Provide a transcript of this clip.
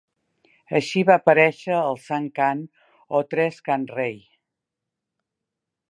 Així va aparèixer el "San-Kan" o tres "Kanrei".